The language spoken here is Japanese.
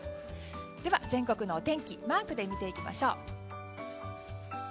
では、全国のお天気をマークで見ていきましょう。